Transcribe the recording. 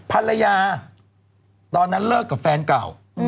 ภรรยาตอนนั้นเลิกกับแฟนเก่า